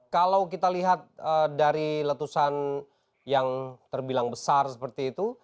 kalau kita lihat dari letusan yang terbilang besar seperti itu